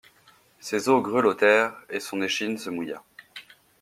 Ses os grelottèrent, et son échine se mouilla.